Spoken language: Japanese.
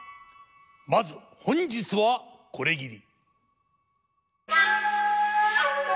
まず本日はこれぎり。